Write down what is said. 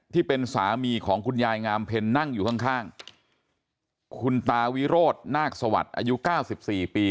ที่เป็นสามีของคุณยายงามเพ็ญนั่งอยู่ข้างข้างคุณตาวิโรธนาคสวัสดิ์อายุเก้าสิบสี่ปี